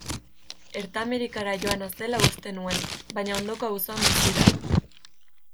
Ertamerikara joana zela uste nuen baina ondoko auzoan bizi da.